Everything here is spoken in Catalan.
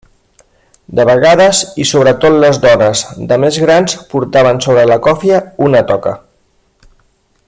De vegades i sobretot les dones de més grans portaven sobre la còfia una toca.